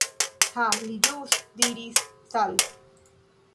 Ha, li ĵus diris "Sal."